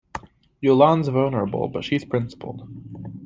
Yolande's vulnerable, but she's principled.